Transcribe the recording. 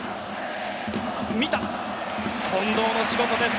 近藤の仕事です。